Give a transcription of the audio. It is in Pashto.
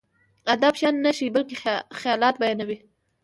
ادب شيان نه ښيي، بلکې خيالات بيانوي.